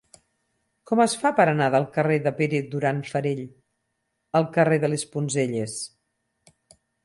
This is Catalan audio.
Com es fa per anar del carrer de Pere Duran Farell al carrer de les Poncelles?